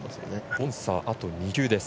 ボンサーは、あと２球です。